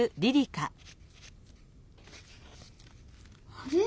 あれ？